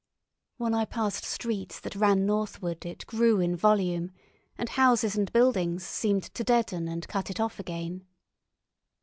When I passed streets that ran northward it grew in volume, and houses and buildings seemed to deaden and cut it off again.